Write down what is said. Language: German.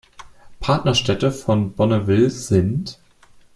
Partnerstädte von Bonneville sind